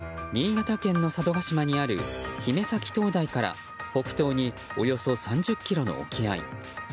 現場は新潟県の佐渡島にある姫崎灯台から北東におよそ３０ｋｍの沖合。